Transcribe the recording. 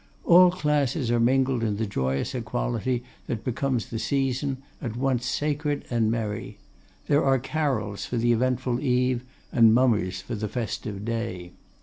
All classes are mingled in the joyous equality that becomes the season, at once sacred and merry. There are carols for the eventful eve, and mummers for the festive day.